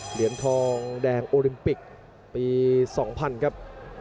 เหรียญทองแดงโอลิมปิกปี๒๐๐ครับ